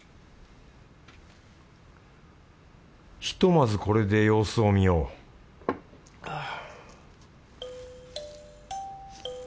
ひとまずこれで様子を見ようはぁ。